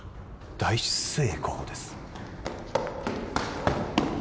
大成功です